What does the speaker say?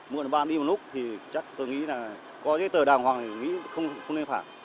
mượn bán đi một lúc thì chắc tôi nghĩ là có giấy tờ đàng hoàng thì không nên phản